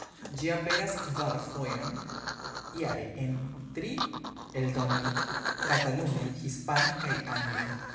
Ĝi aperas kvar fojon jare en tri eldonoj: katalune, hispane kaj angle.